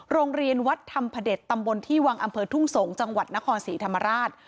โรงเรียนวัดธรรมพระเด็จตำบลที่วังอำเภอทุ่งสงศ์จังหวัดนครศรีธรรมราช